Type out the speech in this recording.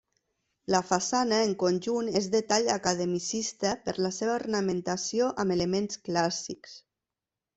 La façana, en conjunt, és de tall academicista per la seva ornamentació amb elements clàssics.